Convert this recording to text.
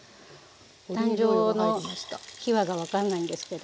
誕生の秘話が分かんないんですけど。